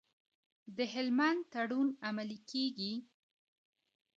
د هلمند تړون عملي کیږي؟